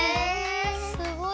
すごい。